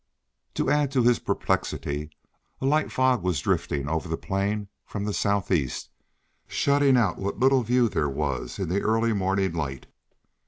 To add to his perplexity, a light fog was drifting over the plain from the southeast, shutting out what little view there was in the early morning light.